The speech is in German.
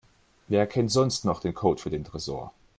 Wer kennt sonst noch den Code für den Tresor?